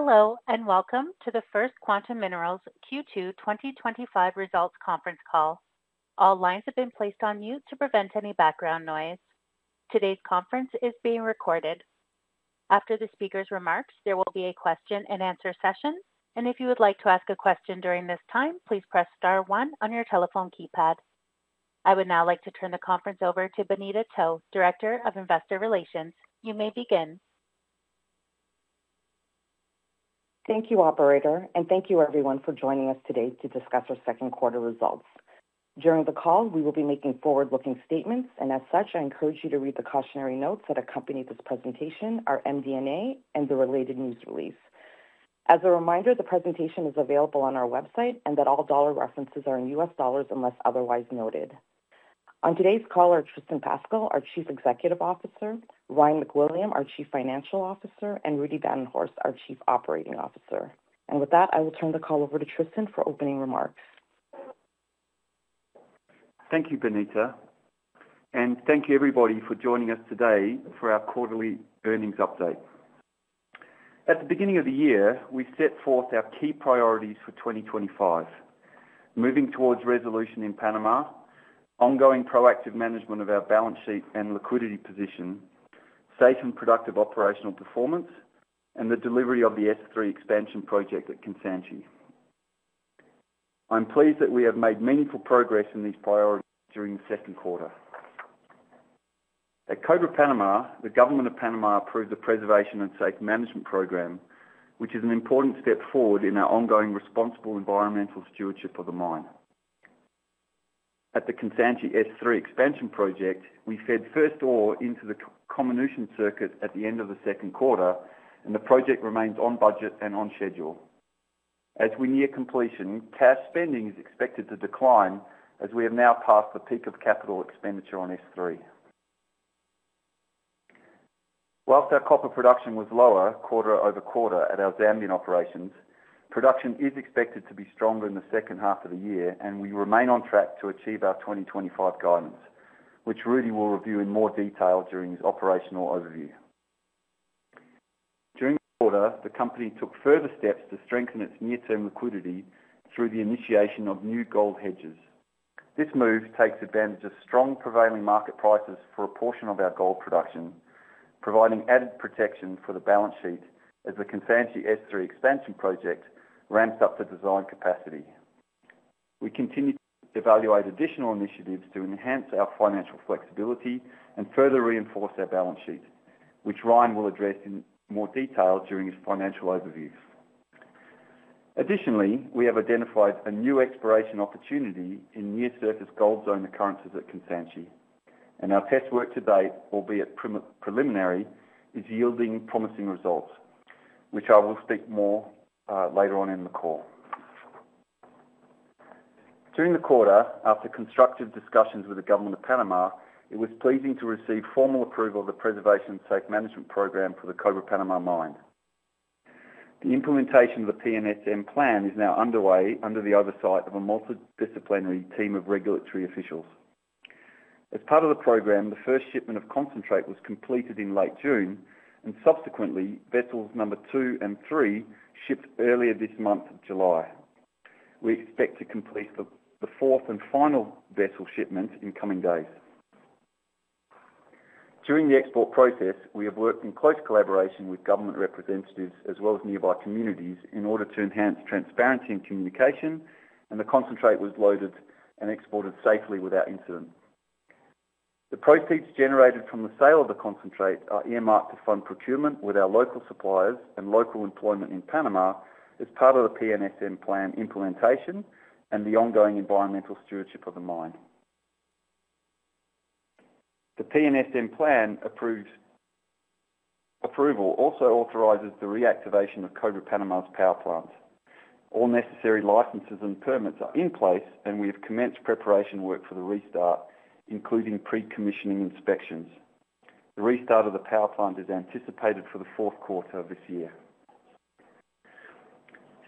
Hello and welcome to the First Quantum Minerals Q2 2025 results conference call. All lines have been placed on mute to prevent any background noise. Today's conference is being recorded. After the speaker's remarks, there will be a question-and-answer session, and if you would like to ask a question during this time, please press star one on your telephone keypad. I would now like to turn the conference over to Bonita To, Director of Investor Relations. You may begin. Thank you, Operator, and thank you, everyone, for joining us today to discuss our second quarter results. During the call, we will be making forward-looking statements, and as such, I encourage you to read the cautionary notes that accompany this presentation, our MD&A, and the related news release. As a reminder, the presentation is available on our website and that all dollar references are in US dollars unless otherwise noted. On today's call are Tristan Pascall, our Chief Executive Officer; Ryan MacWilliam, our Chief Financial Officer; and Rudi Badenhorst, our Chief Operating Officer. I will turn the call over to Tristan for opening remarks. Thank you, Bonita. Thank you, everybody, for joining us today for our quarterly earnings update. At the beginning of the year, we set forth our key priorities for 2025: moving towards resolution in Panama, ongoing proactive management of our balance sheet and liquidity position, safe and productive operational performance, and the delivery of the S3 expansion project at Kansanshi. I'm pleased that we have made meaningful progress in these priorities during the second quarter. At Cobre Panama, the Government of Panama approved the Preservation and Safe Management Program, which is an important step forward in our ongoing responsible environmental stewardship of the mine. At the Kansanshi S3 expansion project, we fed first ore into the comminution circuit at the end of the second quarter, and the project remains on budget and on schedule. As we near completion, cash spending is expected to decline as we have now passed the peak of capital expenditure on S3. Whilst our copper production was lower quarter over quarter at our Zambian operations, production is expected to be stronger in the second half of the year, and we remain on track to achieve our 2025 guidance, which Rudi will review in more detail during his operational overview. During the quarter, the company took further steps to strengthen its near-term liquidity through the initiation of new gold hedges. This move takes advantage of strong prevailing market prices for a portion of our gold production, providing added protection for the balance sheet as the Kansanshi S3 expansion project ramps up to design capacity. We continue to evaluate additional initiatives to enhance our financial flexibility and further reinforce our balance sheet, which Ryan will address in more detail during his financial overview. Additionally, we have identified a new exploration opportunity in near-surface gold zone occurrences at Kansanshi, and our test work to date, albeit preliminary, is yielding promising results, which I will speak more about later on in the call. During the quarter, after constructive discussions with the Government of Panama, it was pleasing to receive formal approval of the Preservation and Safe Management Program for the Cobre Panama mine. The implementation of the P&SM plan is now underway under the oversight of a multidisciplinary team of regulatory officials. As part of the program, the first shipment of concentrate was completed in late June, and subsequently, vessels number two and three shipped earlier this month of July. We expect to complete the fourth and final vessel shipment in coming days. During the export process, we have worked in close collaboration with government representatives as well as nearby communities in order to enhance transparency and communication, and the concentrate was loaded and exported safely without incident. The proceeds generated from the sale of the concentrate are earmarked to fund procurement with our local suppliers and local employment in Panama as part of the P&SM plan implementation and the ongoing environmental stewardship of the mine. The P&SM plan approval also authorizes the reactivation of Cobre Panama's power plant. All necessary licenses and permits are in place, and we have commenced preparation work for the restart, including pre-commissioning inspections. The restart of the power plant is anticipated for the fourth quarter of this year.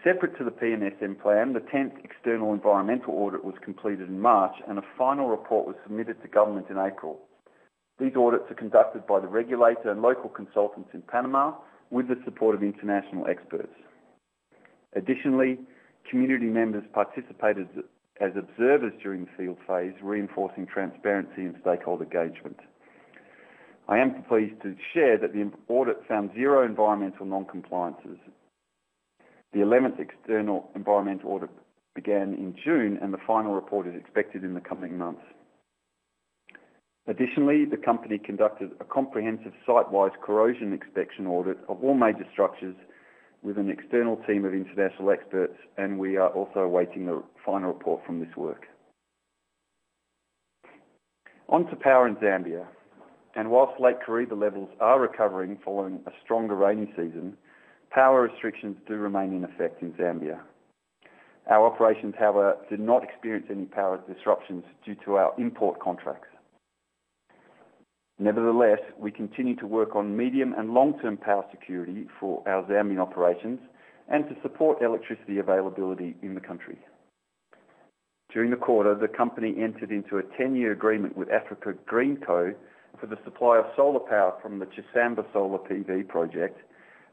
Separate to the P&SM plan, the 10th external environmental audit was completed in March, and a final report was submitted to government in April. These audits are conducted by the regulator and local consultants in Panama with the support of international experts. Additionally, community members participated as observers during the field phase, reinforcing transparency and stakeholder engagement. I am pleased to share that the audit found zero environmental non-compliances. The 11th external environmental audit began in June, and the final report is expected in the coming months. Additionally, the company conducted a comprehensive site-wise corrosion inspection audit of all major structures with an external team of international experts, and we are also awaiting the final report from this work. On to power in Zambia. Whilst Lake Kariba levels are recovering following a stronger rainy season, power restrictions do remain in effect in Zambia. Our operations, however, did not experience any power disruptions due to our import contracts. Nevertheless, we continue to work on medium and long-term power security for our Zambian operations and to support electricity availability in the country. During the quarter, the company entered into a 10-year agreement with Africa Green Co for the supply of solar power from the Chisamba Solar PV project,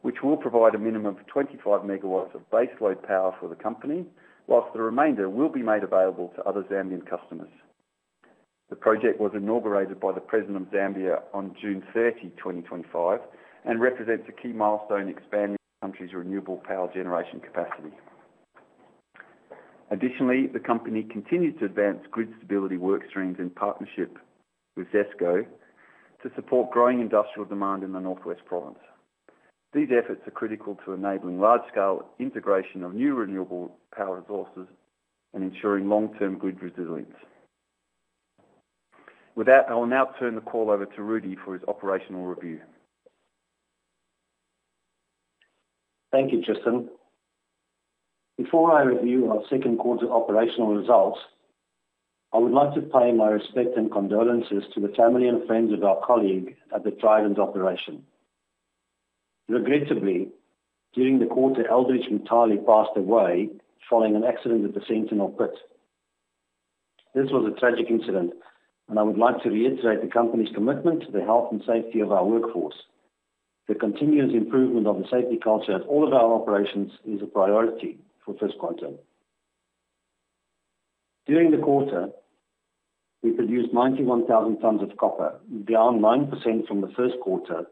which will provide a minimum of 25 MW of base load power for the company, whilst the remainder will be made available to other Zambian customers. The project was inaugurated by the President of Zambia on June 30, 2025, and represents a key milestone in expanding the country's renewable power generation capacity. Additionally, the company continues to advance grid stability workstreams in partnership with ZESCO to support growing industrial demand in the Northwest Province. These efforts are critical to enabling large-scale integration of new renewable power resources and ensuring long-term grid resilience. With that, I will now turn the call over to Rudi for his operational review. Thank you, Tristan. Before I review our second quarter operational results, I would like to pay my respect and condolences to the family and friends of our colleague at the Trident operation. Regrettably, during the quarter, Aldridge Mutale passed away following an accident at the Sentinel Pit. This was a tragic incident, and I would like to reiterate the company's commitment to the health and safety of our workforce. The continuous improvement of the safety culture at all of our operations is a priority for First Quantum. During the quarter, we produced 91,000 tons of copper, down 9% from the first quarter,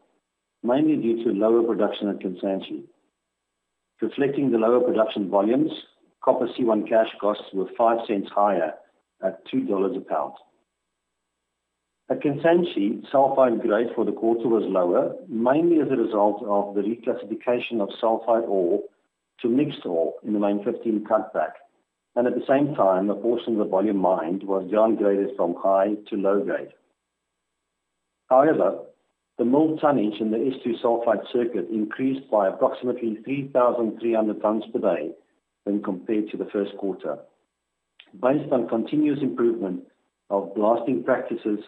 mainly due to lower production at Kansanshi. Reflecting the lower production volumes, copper C1 cash costs were $0.05 higher at $2 a pound. At Kansanshi, sulfide grade for the quarter was lower, mainly as a result of the reclassification of sulfide ore to mixed ore in the main 15 cutback, and at the same time, a portion of the volume mined was downgraded from high to low grade. However, the milled tonnage in the S2 sulfide circuit increased by approximately 3,300 tons per day when compared to the first quarter, based on continuous improvement of blasting practices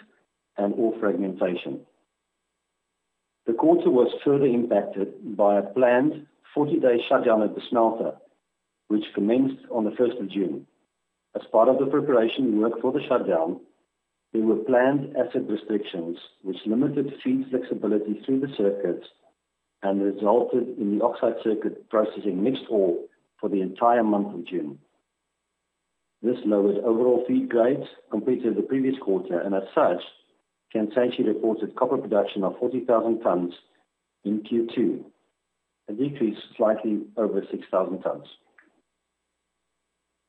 and ore fragmentation. The quarter was further impacted by a planned 40-day shutdown at the smelter, which commenced on the 1st of June. As part of the preparation work for the shutdown, there were planned asset restrictions which limited feed flexibility through the circuits and resulted in the oxide circuit processing mixed ore for the entire month of June. This lowered overall feed grades compared to the previous quarter, and as such, Kansanshi reported copper production of 40,000 tons in Q2, a decrease slightly over 6,000 tons.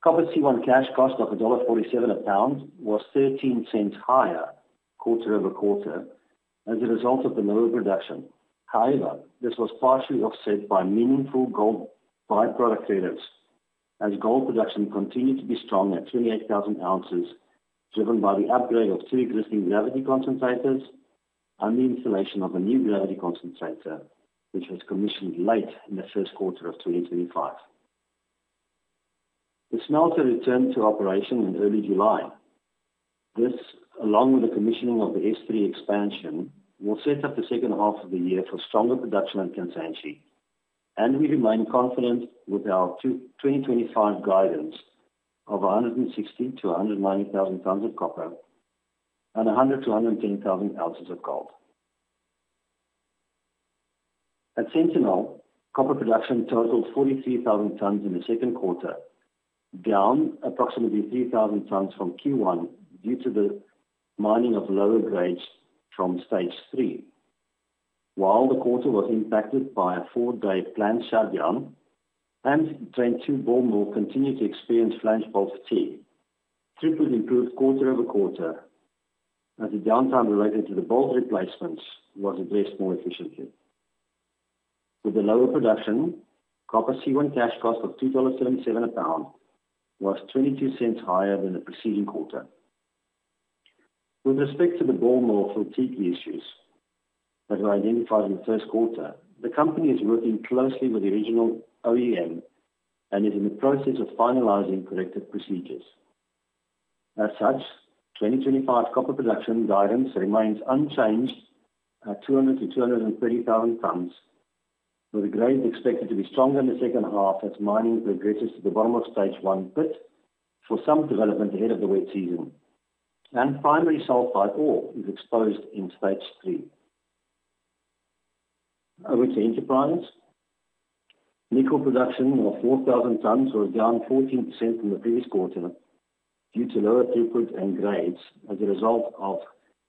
Copper C1 cash cost of $1.47 a pound was $0.13 higher quarter over quarter as a result of the lower production. However, this was partially offset by meaningful gold byproduct reliefs as gold production continued to be strong at 28,000 oz, driven by the upgrade of two existing gravity concentrators and the installation of a new gravity concentrator, which was commissioned late in the first quarter of 2025. The smelter returned to operation in early July. This, along with the commissioning of the S3 expansion, will set up the second half of the year for stronger production at Kansanshi, and we remain confident with our 2025 guidance of 160,000-190,000 tons of copper and 100,000-110,000 oz of gold. At Sentinel, copper production totaled 43,000 tons in the second quarter, down approximately 3,000 tons from Q1 due to the mining of lower grades from stage three. While the quarter was impacted by a four-day planned shutdown, and Train 2 Ball mills continued to experience flange bolt fatigue, throughput improved quarter over quarter as the downtime related to the bolt replacements was addressed more efficiently. With the lower production, copper C1 cash cost of $2.77 a pound was $0.22 higher than the preceding quarter. With respect to the Ball mill fatigue issues that were identified in the first quarter, the company is working closely with the original OEM and is in the process of finalizing corrective procedures. As such, 2025 copper production guidance remains unchanged at 200,000-230,000 tons, with grades expected to be stronger in the second half as mining progresses to the bottom of stage one pit for some development ahead of the wet season. Primary sulfide ore is exposed in stage three. Over to Enterprise. Nickel production of 4,000 tons was down 14% from the previous quarter due to lower throughput and grades as a result of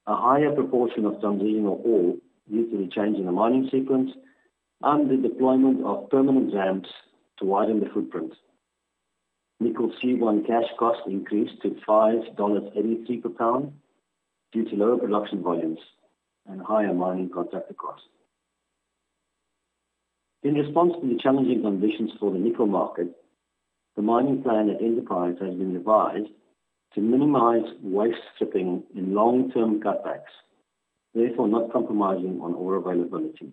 a higher proportion of transitional ore due to the change in the mining sequence and the deployment of permanent ramps to widen the footprint. Nickel C1 cash cost increased to $5.83 per pound due to lower production volumes and higher mining contractor costs. In response to the challenging conditions for the nickel market, the mining plan at Enterprise has been revised to minimize waste stripping in long-term cutbacks, therefore not compromising on ore availability.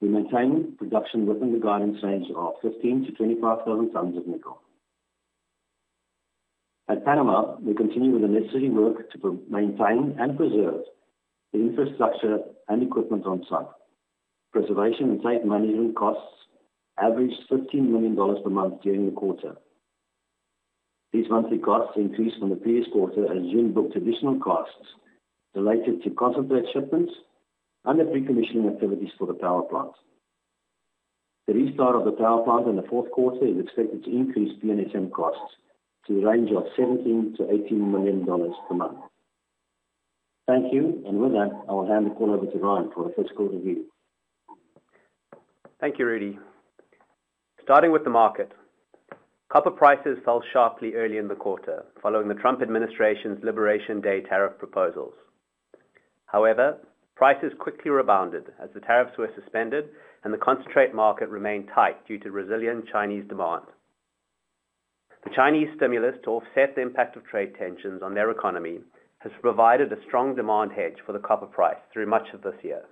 We maintain production within the guidance range of 15,000-25,000 tons of nickel. At Panama, we continue with the necessary work to maintain and preserve the infrastructure and equipment on site. Preservation and site management costs averaged $15 million per month during the quarter. These monthly costs increased from the previous quarter as June booked additional costs related to concentrate shipments and the pre-commissioning activities for the power plant. The restart of the power plant in the fourth quarter is expected to increase P&SM costs to the range of $17 million-$18 million per month. Thank you, and with that, I will hand the call over to Ryan for the fiscal review. Thank you, Rudi. Starting with the market. Copper prices fell sharply early in the quarter following the Trump administration's Liberation Day tariff proposals. However, prices quickly rebounded as the tariffs were suspended and the concentrate market remained tight due to resilient Chinese demand. The Chinese stimulus to offset the impact of trade tensions on their economy has provided a strong demand hedge for the copper price through much of this year.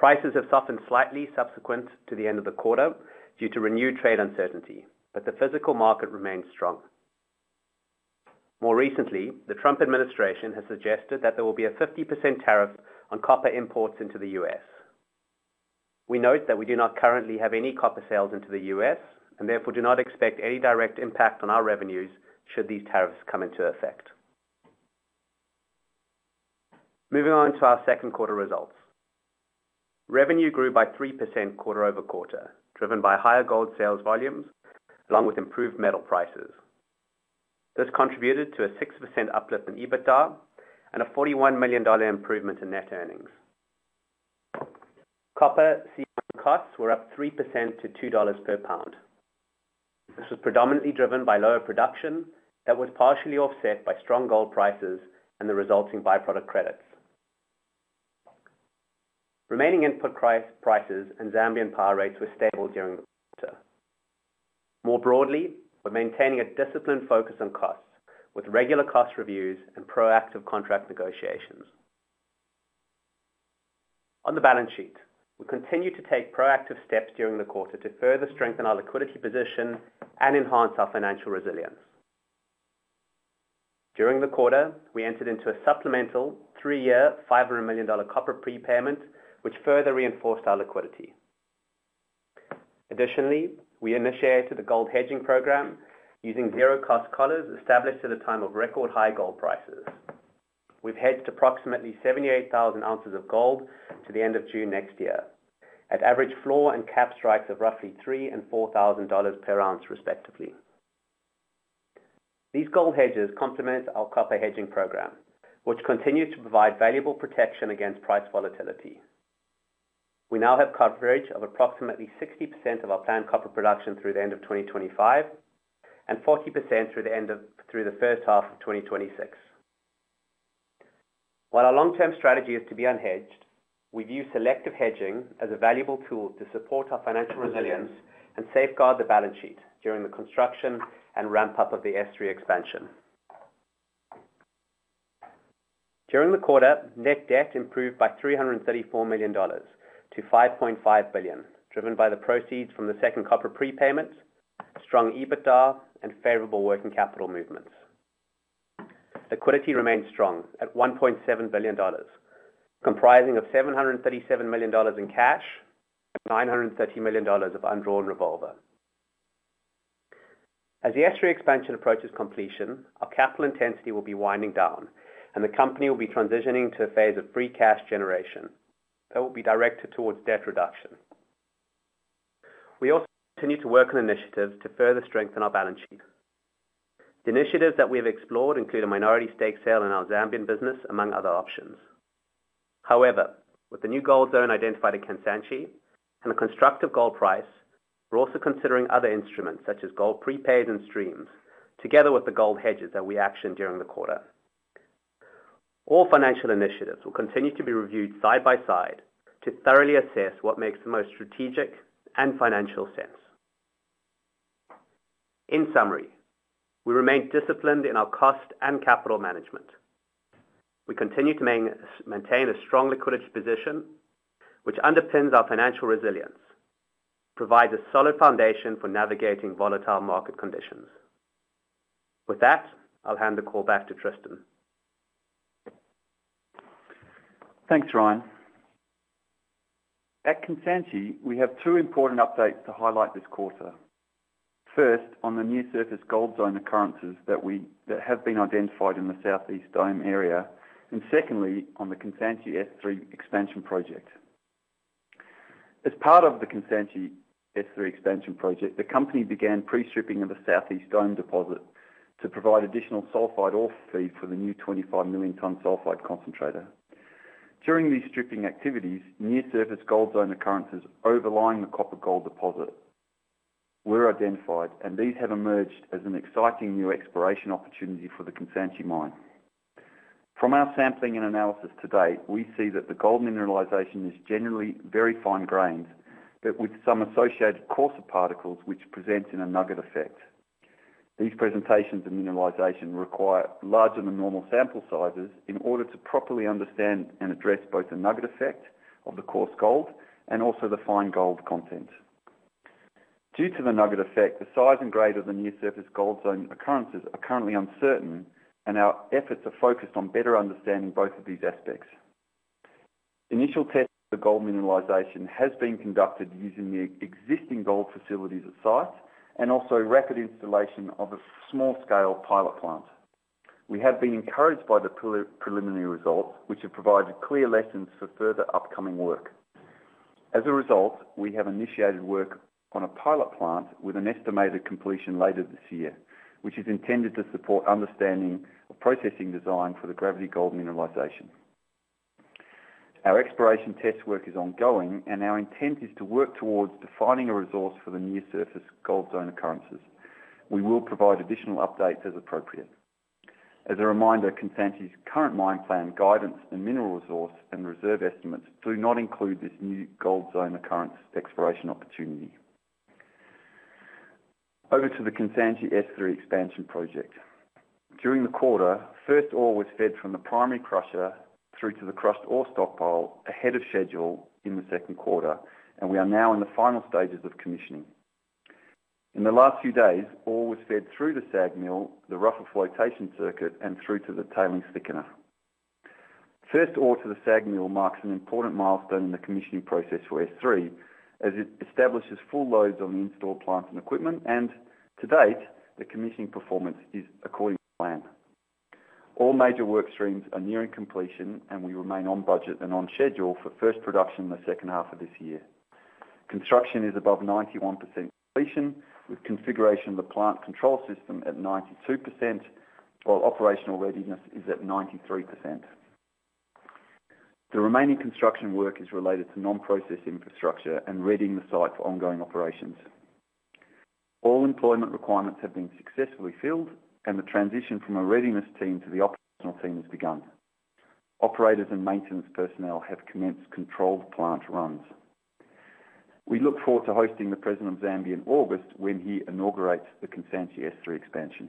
Prices have softened slightly subsequent to the end of the quarter due to renewed trade uncertainty, but the physical market remains strong. More recently, the Trump administration has suggested that there will be a 50% tariff on copper imports into the U.S. We note that we do not currently have any copper sales into the U.S. and therefore do not expect any direct impact on our revenues should these tariffs come into effect. Moving on to our second quarter results. Revenue grew by 3% quarter over quarter, driven by higher gold sales volumes along with improved metal prices. This contributed to a 6% uplift in EBITDA and a $41 million improvement in net earnings. Copper C1 costs were up 3% to $2 per pound. This was predominantly driven by lower production that was partially offset by strong gold prices and the resulting byproduct credits. Remaining input prices and Zambian power rates were stable during the quarter. More broadly, we're maintaining a disciplined focus on costs with regular cost reviews and proactive contract negotiations. On the balance sheet, we continue to take proactive steps during the quarter to further strengthen our liquidity position and enhance our financial resilience. During the quarter, we entered into a supplemental three-year $500 million copper prepayment, which further reinforced our liquidity. Additionally, we initiated the gold hedging program using zero-cost collars established at a time of record high gold prices. We've hedged approximately 78,000 oz of gold to the end of June next year at average floor and cap strikes of roughly $3,000 and $4,000 per oz, respectively. These gold hedges complement our copper hedging program, which continues to provide valuable protection against price volatility. We now have coverage of approximately 60% of our planned copper production through the end of 2025 and 40% through the end of the first half of 2026. While our long-term strategy is to be unhedged, we view selective hedging as a valuable tool to support our financial resilience and safeguard the balance sheet during the construction and ramp-up of the S3 expansion. During the quarter, net debt improved by $334 million to $5.5 billion, driven by the proceeds from the second copper prepayment, strong EBITDA, and favorable working capital movements. Liquidity remained strong at $1.7 billion, comprising of $737 million in cash and $930 million of undrawn revolver. As the S3 expansion approaches completion, our capital intensity will be winding down, and the company will be transitioning to a phase of free cash generation that will be directed towards debt reduction. We also continue to work on initiatives to further strengthen our balance sheet. The initiatives that we have explored include a minority stake sale in our Zambian business, among other options. However, with the new gold zone identified at Kansanshi and a constructive gold price, we're also considering other instruments such as gold prepaid and streams, together with the gold hedges that we actioned during the quarter. All financial initiatives will continue to be reviewed side by side to thoroughly assess what makes the most strategic and financial sense. In summary, we remain disciplined in our cost and capital management. We continue to maintain a strong liquidity position, which underpins our financial resilience and provides a solid foundation for navigating volatile market conditions. With that, I'll hand the call back to Tristan. Thanks, Ryan. At Kansanshi, we have two important updates to highlight this quarter. First, on the new surface gold zone occurrences that have been identified in the southeast dome area, and secondly, on the Kansanshi S3 expansion project. As part of the Kansanshi S3 expansion project, the company began pre-stripping of the southeast dome deposit to provide additional sulfide ore feed for the new 25 million-ton sulfide concentrator. During these stripping activities, near-surface gold zone occurrences overlying the copper gold deposit were identified, and these have emerged as an exciting new exploration opportunity for the Kansanshi mine. From our sampling and analysis to date, we see that the gold mineralization is generally very fine grains, but with some associated coarser particles, which presents in a nugget effect. These presentations of mineralization require larger than normal sample sizes in order to properly understand and address both the nugget effect of the coarse gold and also the fine gold content. Due to the nugget effect, the size and grade of the near-surface gold zone occurrences are currently uncertain, and our efforts are focused on better understanding both of these aspects. Initial tests of the gold mineralization have been conducted using the existing gold facilities at site and also rapid installation of a small-scale pilot plant. We have been encouraged by the preliminary results, which have provided clear lessons for further upcoming work. As a result, we have initiated work on a pilot plant with an estimated completion later this year, which is intended to support understanding of processing design for the gravity gold mineralization. Our exploration test work is ongoing, and our intent is to work towards defining a resource for the near-surface gold zone occurrences. We will provide additional updates as appropriate. As a reminder, Kansanshi's current mine plan, guidance, and mineral resource and reserve estimates do not include this new gold zone occurrence exploration opportunity. Over to the Kansanshi S3 expansion project. During the quarter, first ore was fed from the primary crusher through to the crushed ore stockpile ahead of schedule in the second quarter, and we are now in the final stages of commissioning. In the last few days, ore was fed through the SAG mill, the rougher flotation circuit, and through to the tailing thickener. First ore to the SAG mill marks an important milestone in the commissioning process for S3 as it establishes full loads on the installed plants and equipment, and to date, the commissioning performance is according to plan. All major work streams are nearing completion, and we remain on budget and on schedule for first production in the second half of this year. Construction is above 91% completion, with configuration of the plant control system at 92%. While operational readiness is at 93%. The remaining construction work is related to non-process infrastructure and readying the site for ongoing operations. All employment requirements have been successfully filled, and the transition from a readiness team to the operational team has begun. Operators and maintenance personnel have commenced controlled plant runs. We look forward to hosting the President of Zambia in August when he inaugurates the Kansanshi S3 expansion.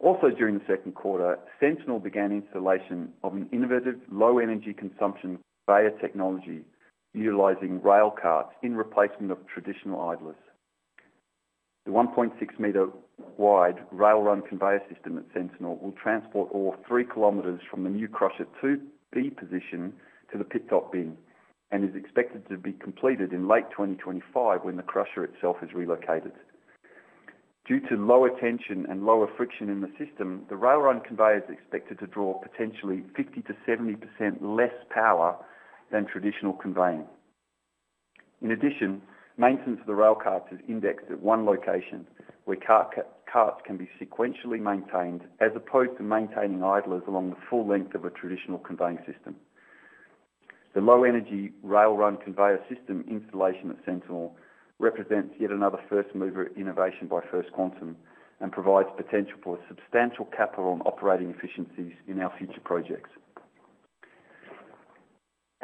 Also, during the second quarter, Sentinel began installation of an innovative low-energy consumption conveyor technology utilizing railcarts in replacement of traditional idlers. The 1.6-meter-wide rail run conveyor system at Sentinel will transport ore 3 km from the new crusher 2 feed position to the pit top bin and is expected to be completed in late 2025 when the crusher itself is relocated. Due to lower tension and lower friction in the system, the rail run conveyor is expected to draw potentially 50%-70% less power than traditional conveying. In addition, maintenance of the railcarts is indexed at one location where carts can be sequentially maintained as opposed to maintaining idlers along the full length of a traditional conveying system. The low-energy rail run conveyor system installation at Sentinel represents yet another first-mover innovation by First Quantum and provides potential for substantial capital and operating efficiencies in our future projects.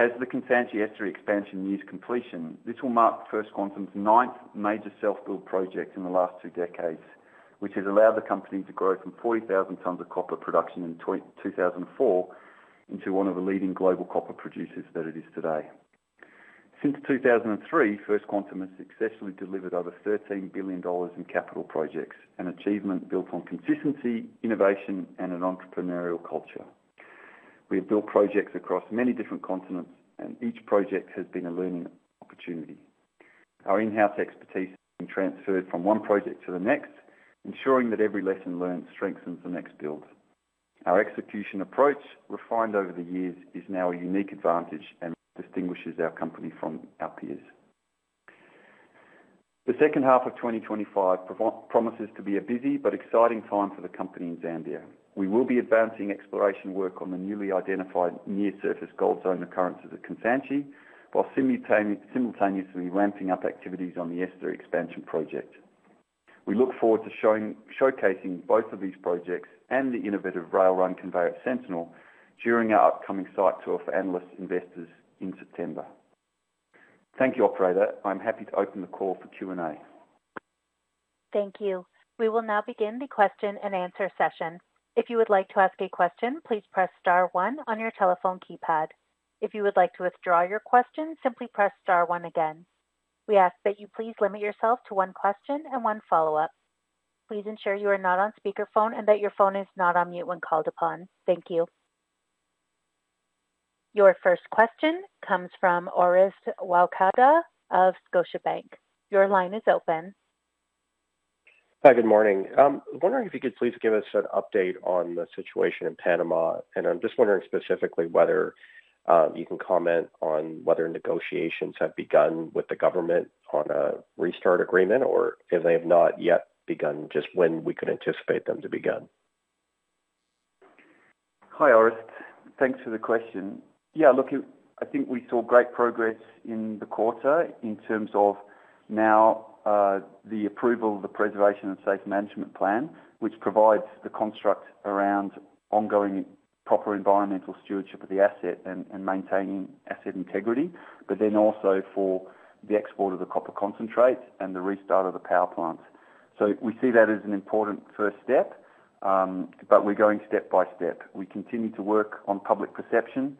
As the Kansanshi S3 expansion nears completion, this will mark First Quantum's ninth major self-build project in the last two decades, which has allowed the company to grow from 40,000 tons of copper production in 2004 into one of the leading global copper producers that it is today. Since 2003, First Quantum has successfully delivered over $13 billion in capital projects, an achievement built on consistency, innovation, and an entrepreneurial culture. We have built projects across many different continents, and each project has been a learning opportunity. Our in-house expertise has been transferred from one project to the next, ensuring that every lesson learned strengthens the next build. Our execution approach, refined over the years, is now a unique advantage and distinguishes our company from our peers. The second half of 2025 promises to be a busy but exciting time for the company in Zambia. We will be advancing exploration work on the newly identified near-surface gold zone occurrences at Kansanshi while simultaneously ramping up activities on the S3 expansion project. We look forward to showcasing both of these projects and the innovative rail run conveyor at Sentinel during our upcoming site tour for analysts and investors in September. Thank you, Operator. I'm happy to open the call for Q&A. Thank you. We will now begin the question and answer session. If you would like to ask a question, please press star one on your telephone keypad. If you would like to withdraw your question, simply press star one again. We ask that you please limit yourself to one question and one follow-up. Please ensure you are not on speakerphone and that your phone is not on mute when called upon. Thank you. Your first question comes from Orest Wowkodaw of Scotiabank. Your line is open. Hi, good morning. I'm wondering if you could please give us an update on the situation in Panama, and I'm just wondering specifically whether you can comment on whether negotiations have begun with the government on a restart agreement or if they have not yet begun, just when we could anticipate them to begin. Hi, Orest. Thanks for the question. Yeah, look, I think we saw great progress in the quarter in terms of now. The approval of the Preservation and Safe Management Program, which provides the construct around ongoing proper environmental stewardship of the asset and maintaining asset integrity, but then also for the export of the copper concentrate and the restart of the power plants. We see that as an important first step. We are going step by step. We continue to work on public perception.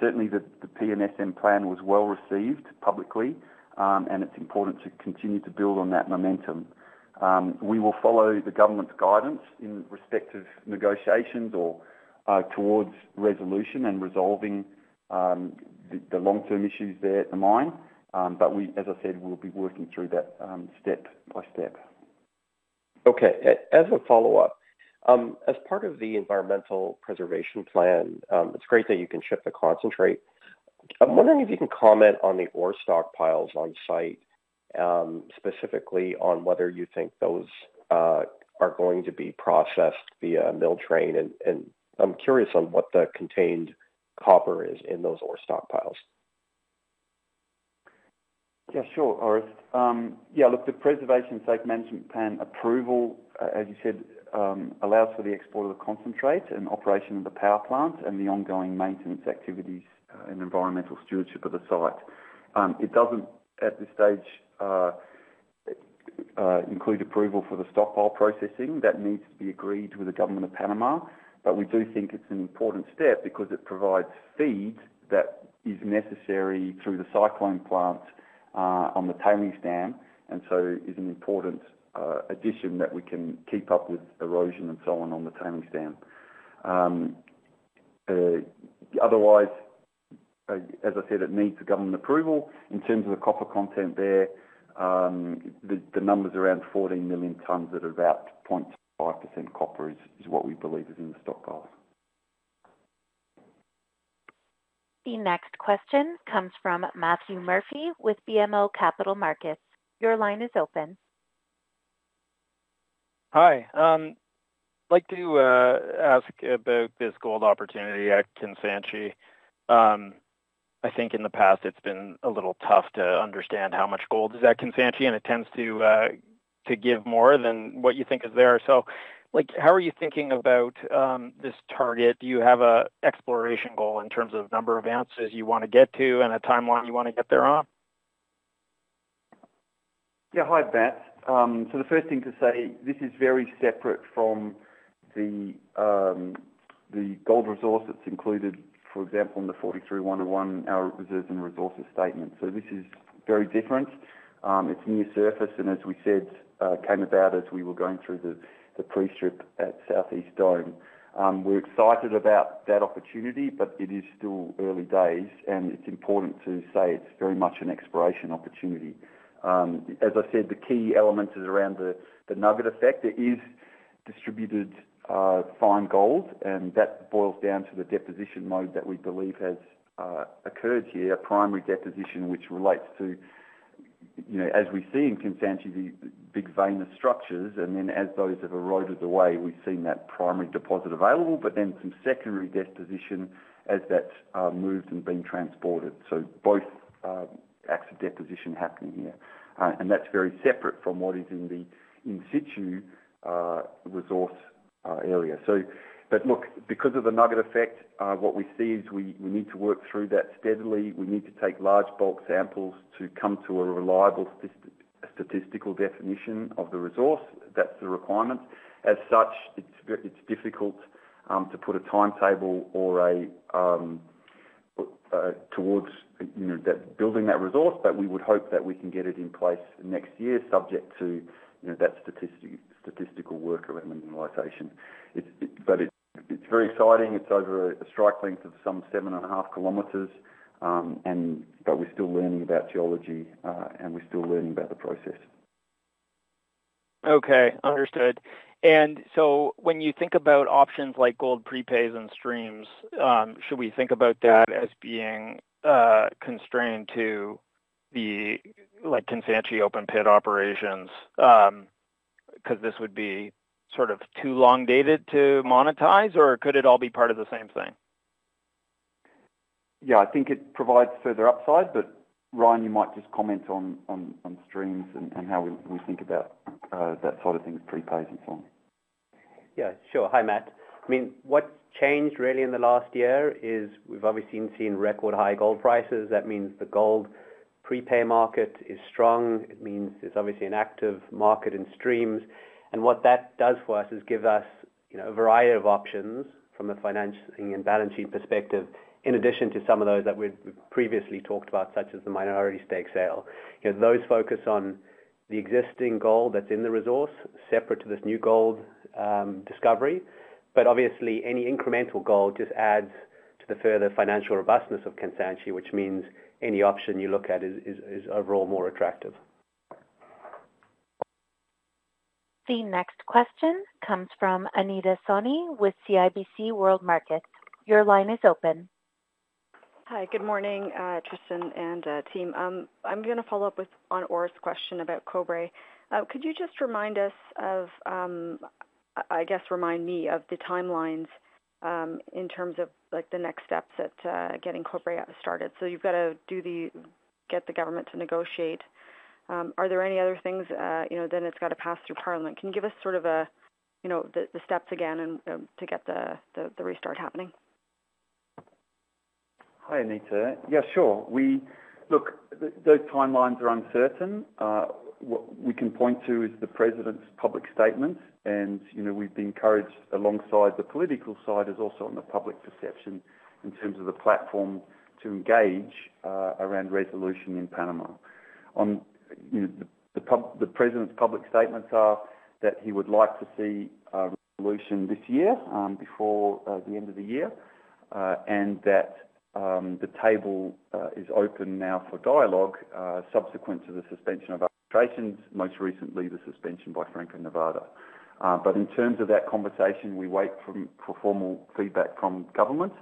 Certainly, the P&SM plan was well received publicly, and it is important to continue to build on that momentum. We will follow the government's guidance in respect of negotiations or towards resolution and resolving the long-term issues there at the mine. As I said, we will be working through that step by step. Okay, as a follow-up. As part of the environmental preservation plan, it is great that you can ship the concentrate. I am wondering if you can comment on the ore stockpiles on site, specifically on whether you think those are going to be processed via a mill train, and I am curious on what the contained copper is in those ore stockpiles. Yeah, sure, Orest. Yeah, look, the Preservation and Safe Management Program approval, as you said, allows for the export of the concentrate and operation of the power plants and the ongoing maintenance activities and environmental stewardship of the site. It does not, at this stage, include approval for the stockpile processing. That needs to be agreed with the Government of Panama, but we do think it is an important step because it provides feed that is necessary through the cyclone plant on the tailing stand, and so is an important addition that we can keep up with erosion and so on on the tailing stand. Otherwise, as I said, it needs the government approval. In terms of the copper content there, the number is around 14 million tons at about 0.5% copper is what we believe is in the stockpiles. The next question comes from Matthew Murphy with BMO Capital Markets. Your line is open. Hi. I'd like to ask about this gold opportunity at Kansanshi. I think in the past, it's been a little tough to understand how much gold is at Kansanshi, and it tends to give more than what you think is there. How are you thinking about this target? Do you have an exploration goal in terms of number of ounces you want to get to and a timeline you want to get there on? Yeah, hi, Ben. The first thing to say, this is very separate from the gold resource that's included, for example, in the 43-101, our reserves and resources statement. This is very different. It's near surface, and as we said, came about as we were going through the pre-strip at Southeast Dome. We're excited about that opportunity, but it is still early days, and it's important to say it's very much an exploration opportunity. As I said, the key element is around the nugget effect. It is distributed fine gold, and that boils down to the deposition mode that we believe has occurred here, a primary deposition which relates to, as we see in Kansanshi, the big veinous structures, and then as those have eroded away, we've seen that primary deposit available, but then some secondary deposition as that's moved and been transported. Both acts of deposition are happening here. That is very separate from what is in the in-situ resource area. Look, because of the nugget effect, what we see is we need to work through that steadily. We need to take large bulk samples to come to a reliable statistical definition of the resource. That's the requirement. As such, it's difficult to put a timetable towards building that resource, but we would hope that we can get it in place next year, subject to that statistical work around mineralization. It's very exciting. It's over a strike length of some 7.5 km. We're still learning about geology, and we're still learning about the process. Okay, understood. When you think about options like gold prepays and streams, should we think about that as being constrained to the Kansanshi Open Pit operations? Because this would be sort of too long-dated to monetize, or could it all be part of the same thing? Yeah, I think it provides further upside, but Ryan, you might just comment on streams and how we think about that sort of thing, prepays and so on. Yeah, sure. Hi, Matt. I mean, what's changed really in the last year is we've obviously seen record high gold prices. That means the gold prepay market is strong. It means there's obviously an active market in streams. What that does for us is give us a variety of options from a financing and balance sheet perspective, in addition to some of those that we previously talked about, such as the minority stake sale. Those focus on the existing gold that's in the resource separate to this new gold discovery. Obviously, any incremental gold just adds to the further financial robustness of Kansanshi, which means any option you look at is overall more attractive. The next question comes from Anita Sani with CIBC World Markets. Your line is open. Hi, good morning, Tristan and team. I'm going to follow up on Orest's question about Cobre. Could you just remind us of, I guess remind me of the timelines. In terms of the next steps at getting Cobre started? You have to get the government to negotiate. Are there any other things, then it has to pass through Parliament? Can you give us sort of the steps again to get the restart happening? Hi, Anita. Yeah, sure. Look, those timelines are uncertain. What we can point to is the President's public statements, and we've been encouraged alongside the political side is also on the public perception in terms of the platform to engage around resolution in Panama. The President's public statements are that he would like to see resolution this year before the end of the year. The table is open now for dialogue subsequent to the suspension of administrations, most recently the suspension by Franco-Nevada. In terms of that conversation, we wait for formal feedback from government,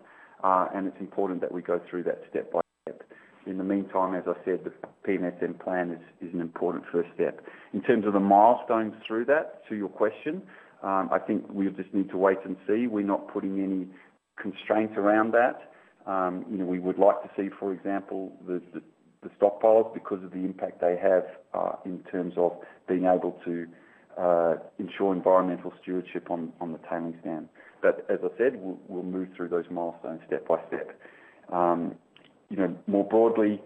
and it's important that we go through that step by step. In the meantime, as I said, the P&SM plan is an important first step. In terms of the milestones through that, to your question, I think we just need to wait and see. We're not putting any constraints around that. We would like to see, for example, the stockpiles because of the impact they have in terms of being able to ensure environmental stewardship on the tailing stand. As I said, we'll move through those milestones step by step. More broadly,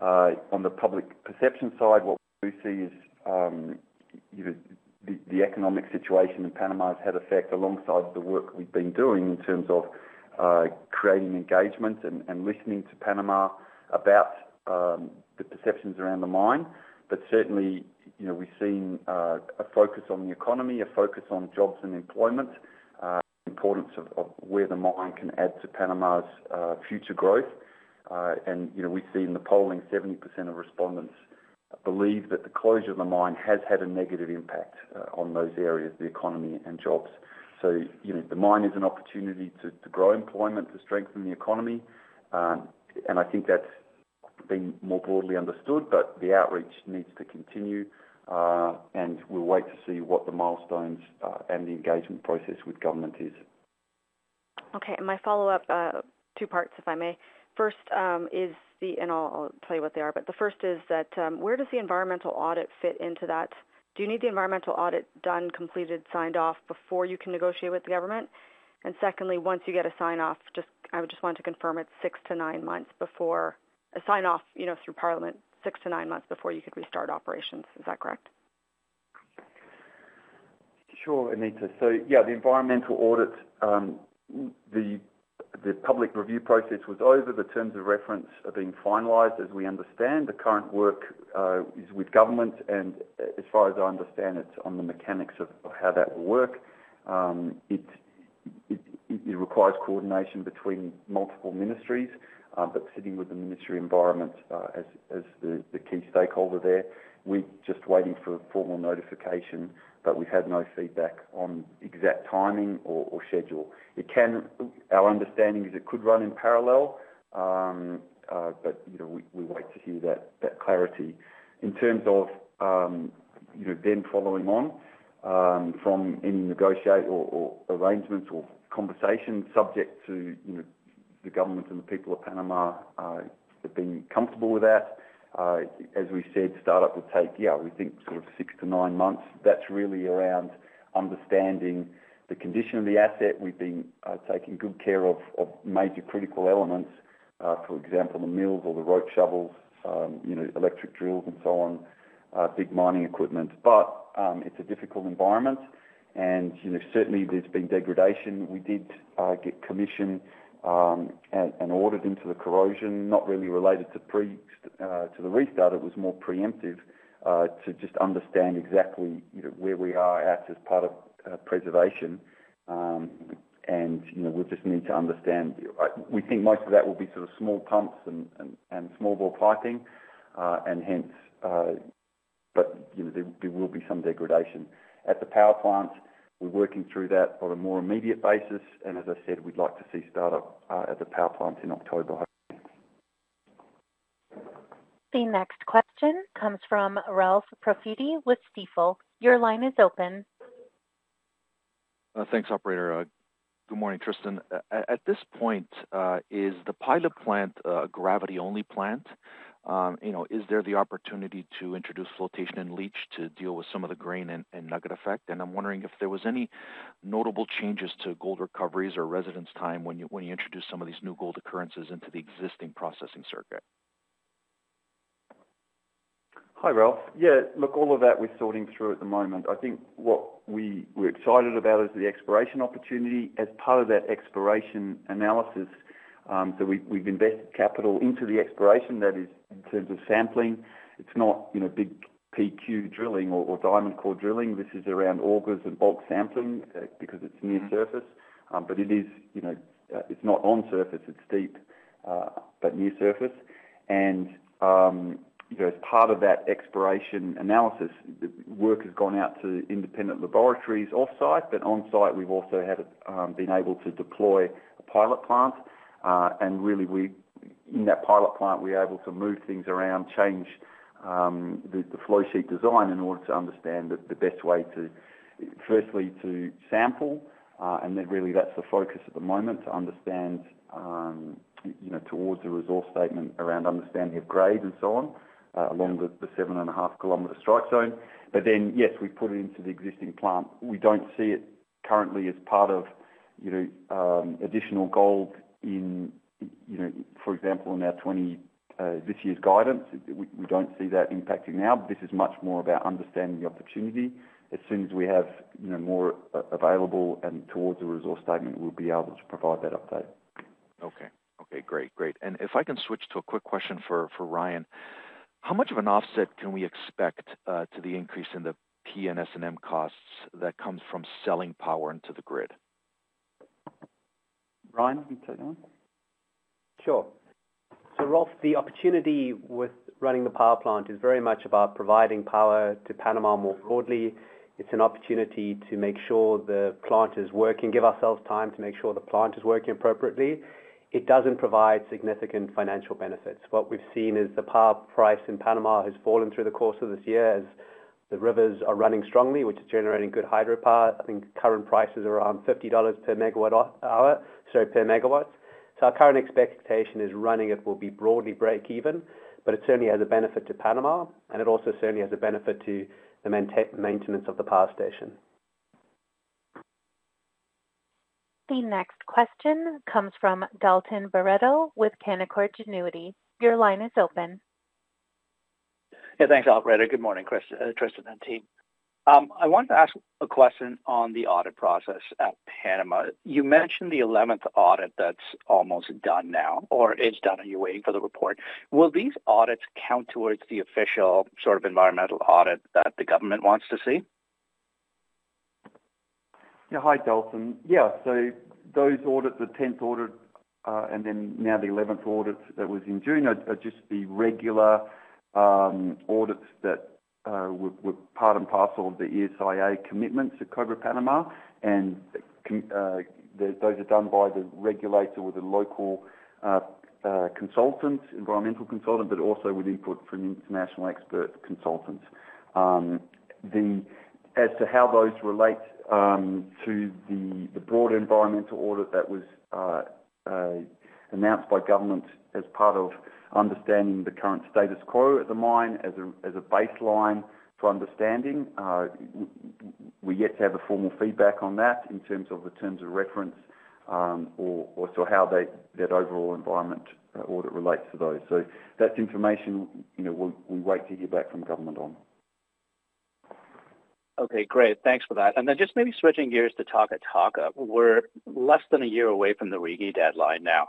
on the public perception side, what we do see is the economic situation in Panama has had effect alongside the work we've been doing in terms of creating engagement and listening to Panama about the perceptions around the mine. Certainly, we've seen a focus on the economy, a focus on jobs and employment, the importance of where the mine can add to Panama's future growth. We see in the polling, 70% of respondents believe that the closure of the mine has had a negative impact on those areas, the economy and jobs. The mine is an opportunity to grow employment, to strengthen the economy. I think that's been more broadly understood, but the outreach needs to continue. We'll wait to see what the milestones and the engagement process with government is. Okay, and my follow-up, two parts, if I may. First is the, and I'll tell you what they are, but the first is that where does the environmental audit fit into that? Do you need the environmental audit done, completed, signed off before you can negotiate with the government? Secondly, once you get a sign-off, I would just want to confirm it's six to nine months before a sign-off through Parliament, six to nine months before you could restart operations. Is that correct? Sure, Anita. So yeah, the environmental audit. The public review process was over. The terms of reference are being finalized as we understand. The current work is with government, and as far as I understand, it's on the mechanics of how that will work. It requires coordination between multiple ministries, but sitting with the Ministry of Environment as the key stakeholder there. We're just waiting for formal notification, but we've had no feedback on exact timing or schedule. Our understanding is it could run in parallel. We wait to hear that clarity. In terms of then following on from any negotiation or arrangements or conversation, subject to the government and the people of Panama have been comfortable with that. As we said, startup will take, yeah, we think sort of six to nine months. That's really around understanding the condition of the asset. We've been taking good care of major critical elements, for example, the mills or the rope shovels, electric drills, and so on, big mining equipment. It's a difficult environment, and certainly there's been degradation. We did get commission and audit into the corrosion, not really related to the restart. It was more preemptive to just understand exactly where we are at as part of preservation. We just need to understand. We think most of that will be sort of small pumps and small bore piping, and hence. There will be some degradation. At the power plants, we're working through that on a more immediate basis. As I said, we'd like to see startup at the power plants in October. The next question comes from Ralph Profiti with Stifel. Your line is open. Thanks, operator. Good morning, Tristan. At this point, is the pilot plant a gravity-only plant? Is there the opportunity to introduce flotation and leach to deal with some of the grain and nugget effect? I'm wondering if there were any notable changes to gold recoveries or residence time when you introduce some of these new gold occurrences into the existing processing circuit? Hi, Ralph. Yeah, look, all of that we're sorting through at the moment. I think what we're excited about is the exploration opportunity. As part of that exploration analysis, we've invested capital into the exploration. That is, in terms of sampling, it's not big PQ drilling or diamond core drilling. This is around augers and bulk sampling because it's near surface. It's not on surface. It's deep, but near surface. As part of that exploration analysis, the work has gone out to independent laboratories off-site. On-site, we've also been able to deploy a pilot plant. In that pilot plant, we're able to move things around, change the flow sheet design in order to understand the best way to, firstly, sample. That's the focus at the moment, to understand towards the resource statement around understanding of grade and so on along the 7.5 km strike zone. Yes, we put it into the existing plant. We don't see it currently as part of additional gold in, for example, in this year's guidance. We don't see that impacting now. This is much more about understanding the opportunity. As soon as we have more available and towards the resource statement, we'll be able to provide that update. Okay. Great. If I can switch to a quick question for Ryan, how much of an offset can we expect to the increase in the P&SM costs that comes from selling power into the grid? Ryan, you can take that one. Sure. Ralph, the opportunity with running the power plant is very much about providing power to Panama more broadly. It is an opportunity to make sure the plant is working, give ourselves time to make sure the plant is working appropriately. It does not provide significant financial benefits. What we have seen is the power price in Panama has fallen through the course of this year as the rivers are running strongly, which is generating good hydropower. I think current prices are around $50 per MW. Our current expectation is running it will be broadly break-even, but it certainly has a benefit to Panama, and it also certainly has a benefit to the maintenance of the power station. The next question comes from Dalton Baretto with Canaccord Genuity. Your line is open. Hey, thanks, Ralph. Good morning, Tristan and team. I want to ask a question on the audit process at Panama. You mentioned the 11th audit that's almost done now or is done, and you're waiting for the report. Will these audits count towards the official sort of environmental audit that the government wants to see? Yeah, hi, Dalton. Yeah, so those audits, the 10th audit and then now the 11th audit that was in June, are just the regular audits that were part and parcel of the ESIA commitments to Cobre Panama. Those are done by the regulator with the local environmental consultants, but also with input from international expert consultants. As to how those relate to the broader environmental audit that was announced by government as part of understanding the current status quo at the mine as a baseline for understanding, we have yet to have the formal feedback on that in terms of the terms of reference or how that overall environment audit relates to those. That is information we wait to hear back from government on. Okay, great. Thanks for that. Just maybe switching gears to Taca Taca. We're less than a year away from the RIGI deadline now.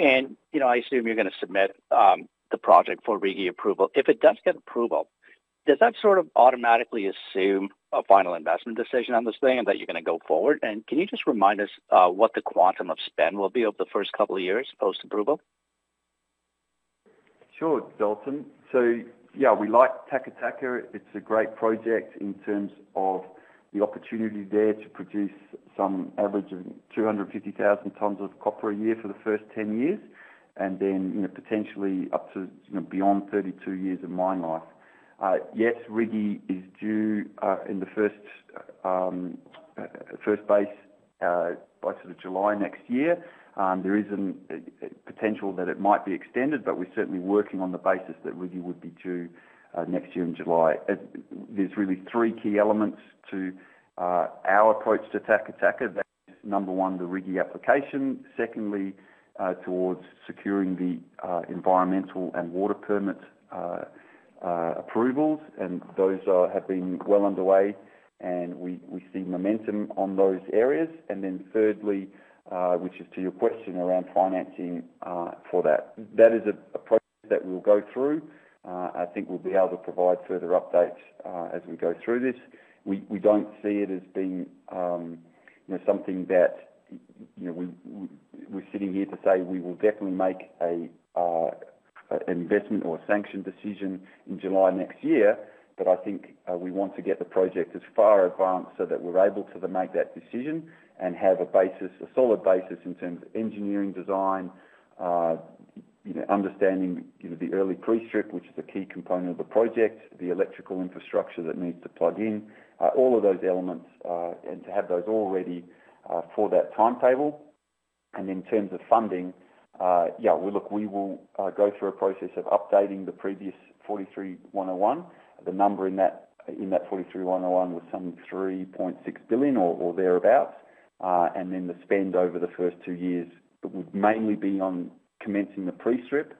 I assume you're going to submit the project for RIGI approval. If it does get approval, does that sort of automatically assume a final investment decision on this thing and that you're going to go forward? Can you just remind us what the quantum of spend will be over the first couple of years post-approval? Sure, Dalton. Yeah, we like Taca Taca. It's a great project in terms of the opportunity there to produce some average of 250,000 tons of copper a year for the first 10 years, and then potentially up to beyond 32 years of mine life. Yes, RIGI is due in the first base by sort of July next year. There is a potential that it might be extended, but we're certainly working on the basis that RIGI would be due next year in July. There are really three key elements to our approach to Taca Taca. That's number one, the RIGI application. Secondly, towards securing the environmental and water permit approvals. Those have been well underway, and we see momentum on those areas. Thirdly, which is to your question around financing for that. That is a process that we'll go through. I think we'll be able to provide further updates as we go through this. We don't see it as being something that we're sitting here to say we will definitely make an investment or sanction decision in July next year. I think we want to get the project as far advanced so that we're able to make that decision and have a solid basis in terms of engineering design, understanding the early pre-strip, which is a key component of the project, the electrical infrastructure that needs to plug in, all of those elements, and to have those all ready for that timetable. In terms of funding, yeah, look, we will go through a process of updating the previous 43-101. The number in that 43-101 was some $3.6 billion or thereabouts. The spend over the first two years would mainly be on commencing the pre-strip.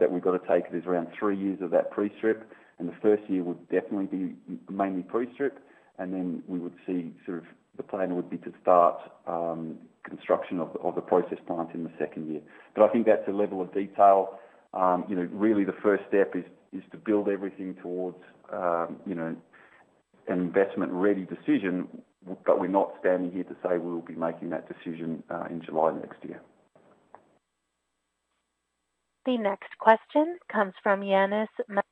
That we've got to take is around three years of that pre-strip. The first year would definitely be mainly pre-strip. We would see sort of the plan would be to start construction of the process plants in the second year. I think that's a level of detail. Really, the first step is to build everything towards an investment-ready decision, but we're not standing here to say we'll be making that decision in July next year. The next question comes from Ioannis Masvoulas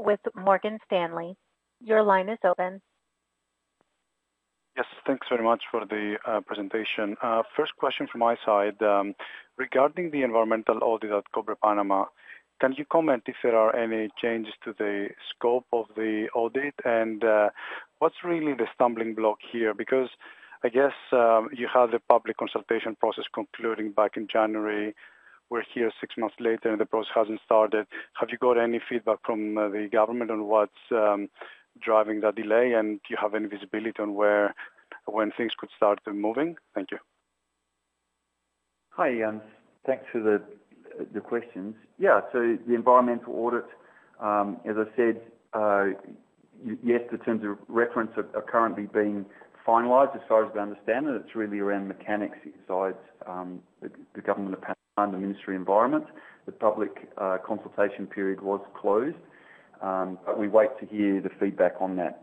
with Morgan Stanley. Your line is open. Yes, thanks very much for the presentation. First question from my side. Regarding the environmental audit at Cobre Panama, can you comment if there are any changes to the scope of the audit? What is really the stumbling block here? I guess you had the public consultation process concluding back in January. We are here six months later, and the process has not started. Have you got any feedback from the government on what is driving that delay? Do you have any visibility on when things could start moving? Thank you. Hi, Yan. Thanks for the questions. Yeah, so the environmental audit, as I said. Yes, the terms of reference are currently being finalized. As far as we understand, it's really around mechanics inside. The Government of Panama, the Ministry of Environment. The public consultation period was closed. We wait to hear the feedback on that.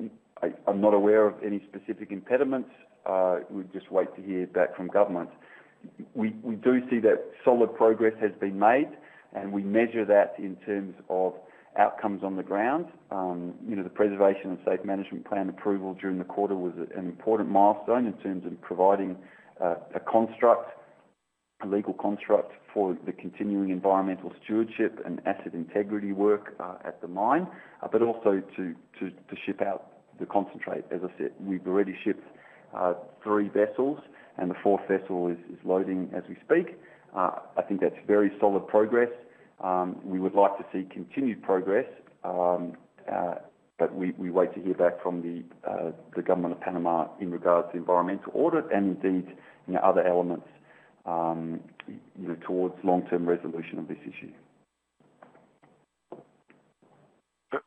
I'm not aware of any specific impediments. We just wait to hear back from government. We do see that solid progress has been made, and we measure that in terms of outcomes on the ground. The Preservation and Safe Management Program approval during the quarter was an important milestone in terms of providing a legal construct for the continuing environmental stewardship and asset integrity work at the mine, but also to ship out the concentrate. As I said, we've already shipped three vessels, and the fourth vessel is loading as we speak. I think that's very solid progress. We would like to see continued progress. We wait to hear back from the Government of Panama in regards to environmental audit and indeed other elements towards long-term resolution of this issue.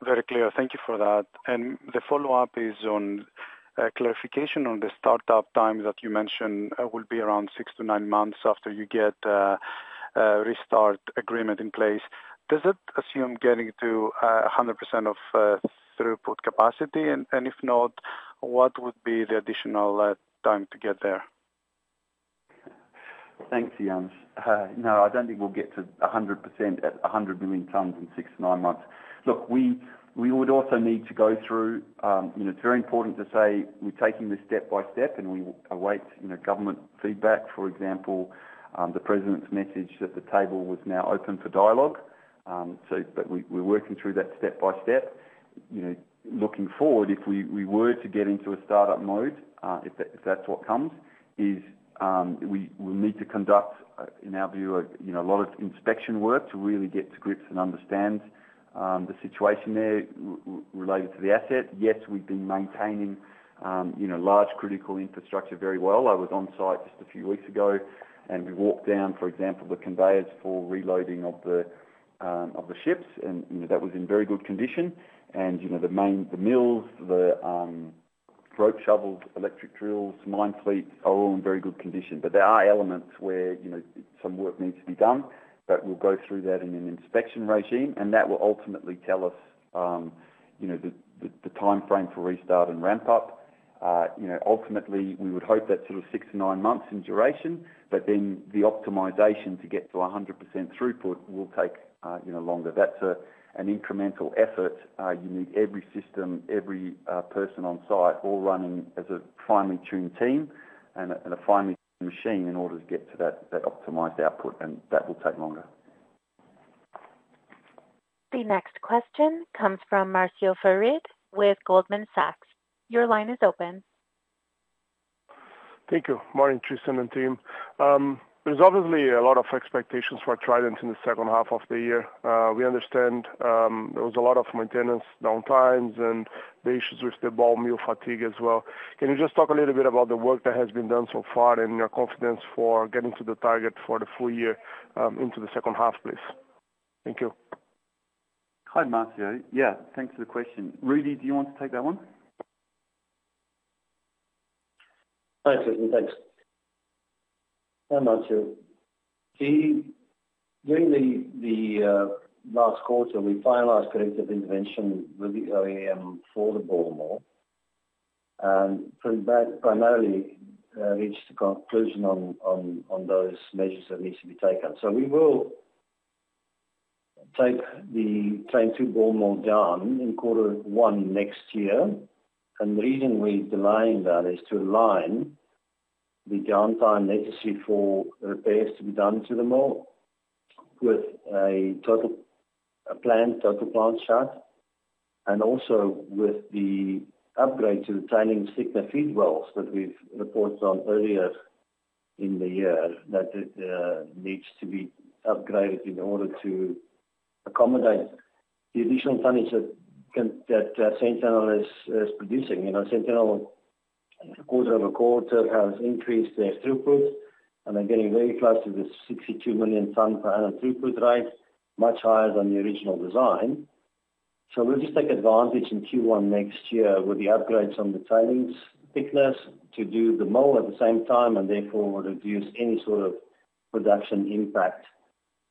Very clear. Thank you for that. The follow-up is on clarification on the startup time that you mentioned will be around six to nine months after you get a restart agreement in place. Does that assume getting to 100% of throughput capacity? If not, what would be the additional time to get there? Thanks, Yan. No, I don't think we'll get to 100% at 100 million tons in six to nine months. Look, we would also need to go through. It's very important to say we're taking this step by step, and we await government feedback. For example, the president's message that the table was now open for dialogue. We're working through that step by step. Looking forward, if we were to get into a startup mode, if that's what comes, is. We'll need to conduct, in our view, a lot of inspection work to really get to grips and understand. The situation there related to the asset. Yes, we've been maintaining. Large critical infrastructure very well. I was on site just a few weeks ago, and we walked down, for example, the conveyors for reloading of the ships. That was in very good condition. The mills, the rope shovels, electric drills, mine fleets are all in very good condition. There are elements where some work needs to be done. We'll go through that in an inspection regime. That will ultimately tell us the timeframe for restart and ramp-up. Ultimately, we would hope that sort of six to nine months in duration. The optimization to get to 100% throughput will take longer. That's an incremental effort. You need every system, every person on site all running as a finely-tuned team and a finely-tuned machine in order to get to that optimized output. That will take longer. The next question comes from Marcio Farid with Goldman Sachs. Your line is open. Thank you. Morning, Tristan and team. There is obviously a lot of expectations for Trident in the second half of the year. We understand. There was a lot of maintenance downtimes and the issues with the ball mill fatigue as well. Can you just talk a little bit about the work that has been done so far and your confidence for getting to the target for the full year into the second half, please? Thank you. Hi, Marcio. Yeah, thanks for the question. Rudi, do you want to take that one? Hi, Tristan. Thanks. Hi, Marcio. During the last quarter, we finalized collective intervention with the OEM for the ball mill. From that, primarily, reached a conclusion on those measures that need to be taken. We will take the Train 2 ball mill down in quarter one next year. The reason we're delaying that is to align the downtime necessary for repairs to be done to the mill with a planned total plant shut and also with the upgrade to the [training SIGNA] feed wells that we've reported on earlier in the year that needs to be upgraded in order to accommodate the additional tonnage that Sentinel is producing. Sentinel, quarter over quarter, has increased their throughput, and they're getting very close to the 62 million tons per annum throughput rate, much higher than the original design. We'll just take advantage in Q1 next year with the upgrades on the training thickeners to do the mill at the same time, and therefore reduce any sort of production impact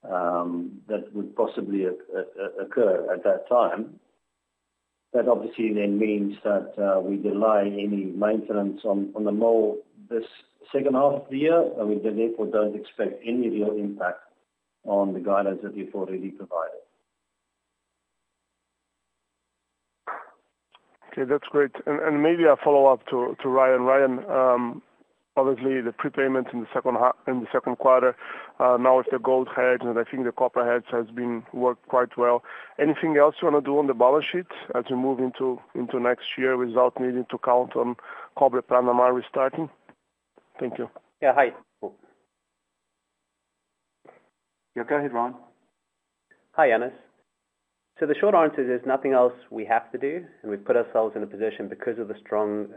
that would possibly occur at that time. That obviously then means that we delay any maintenance on the mill this second half of the year, and we therefore don't expect any real impact on the guidance that we've already provided. Okay, that's great. Maybe a follow-up to Ryan. Ryan, obviously, the prepayments in the second quarter. Now with the gold hedges, and I think the copper hedges have worked quite well. Anything else you want to do on the balance sheet as we move into next year without needing to count on Cobre Panama restarting? Thank you. Yeah, hi. Yeah, go ahead, Ryan. Hi, [Yanis]. The short answer is nothing else we have to do. We have put ourselves in a position because of the strong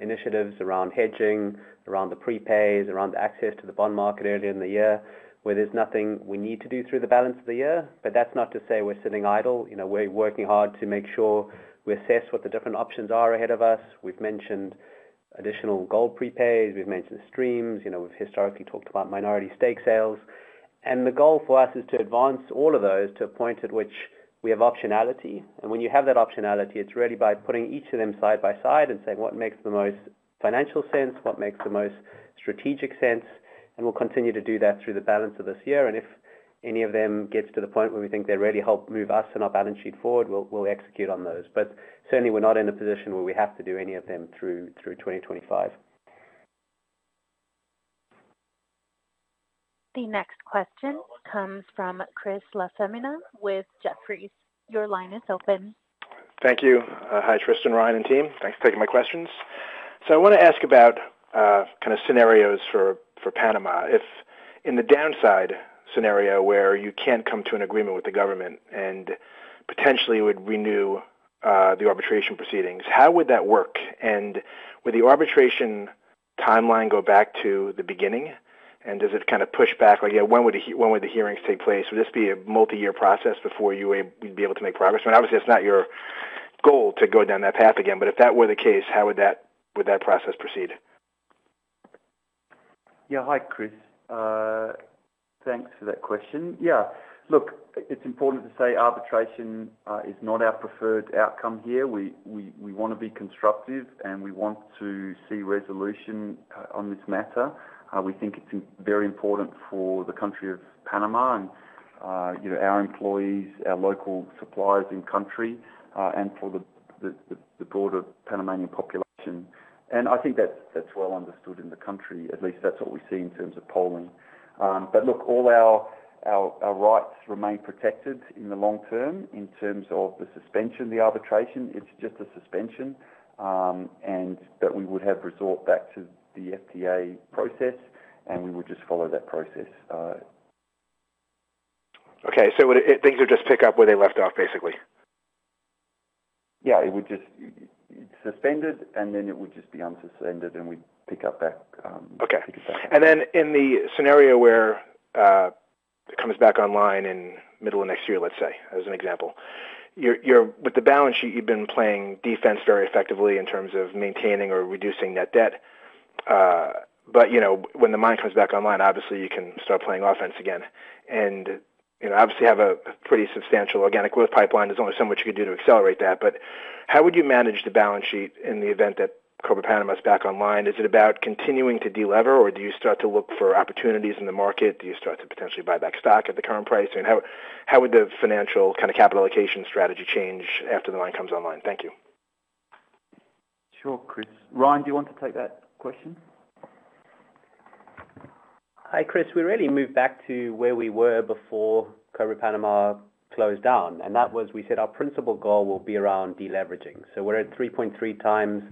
initiatives around hedging, around the prepays, around the access to the bond market earlier in the year, where there is nothing we need to do through the balance of the year. That is not to say we are sitting idle. We are working hard to make sure we assess what the different options are ahead of us. We have mentioned additional gold prepays. We have mentioned streams. We have historically talked about minority stake sales. The goal for us is to advance all of those to a point at which we have optionality. When you have that optionality, it is really by putting each of them side by side and saying, "What makes the most financial sense? What makes the most strategic sense?" We will continue to do that through the balance of this year. If any of them gets to the point where we think they really help move us and our balance sheet forward, we will execute on those. Certainly, we are not in a position where we have to do any of them through 2025. The next question comes from Chris LaFemina with Jefferies. Your line is open. Thank you. Hi, Tristan, Ryan, and team. Thanks for taking my questions. I want to ask about kind of scenarios for Panama. In the downside scenario where you can't come to an agreement with the government and potentially would renew the arbitration proceedings, how would that work? Would the arbitration timeline go back to the beginning? Does it kind of push back? When would the hearings take place? Would this be a multi-year process before you would be able to make progress? I mean, obviously, it's not your goal to go down that path again. If that were the case, how would that process proceed? Yeah, hi, Chris. Thanks for that question. Yeah. Look, it's important to say arbitration is not our preferred outcome here. We want to be constructive, and we want to see resolution on this matter. We think it's very important for the country of Panama and our employees, our local suppliers in country, and for the broader Panamanian population. I think that's well understood in the country. At least that's what we see in terms of polling. Look, all our rights remain protected in the long term in terms of the suspension. The arbitration, it's just a suspension. We would have resort back to the FTA process, and we would just follow that process. Okay. So things would just pick up where they left off, basically? Yeah. It would just be suspended, and then it would just be unsuspended, and we'd pick up back. Okay. In the scenario where it comes back online in the middle of next year, let's say, as an example, with the balance sheet, you've been playing defense very effectively in terms of maintaining or reducing net debt. When the mine comes back online, obviously, you can start playing offense again. Obviously, you have a pretty substantial organic growth pipeline. There's only so much you can do to accelerate that. How would you manage the balance sheet in the event that Cobre Panama is back online? Is it about continuing to delever, or do you start to look for opportunities in the market? Do you start to potentially buy back stock at the current price? I mean, how would the financial kind of capital allocation strategy change after the mine comes online? Thank you. Sure, Chris. Ryan, do you want to take that question? Hi, Chris. We really moved back to where we were before Cobre Panama closed down. That was, we said our principal goal will be around deleveraging. We are at 3.3x